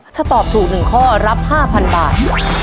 ถ้าตอบถูก๑ข้อรับ๕๐๐๐บาท